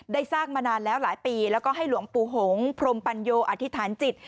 ได้สร้างมานานแล้วหลายปีแล้วก็ให้หลวงปู่หงพรมปัญโยอธิษฐานจิต